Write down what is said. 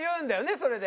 それで。